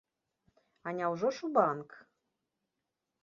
А няўжо ж у банк!